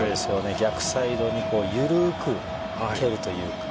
逆サイドに緩く蹴るという。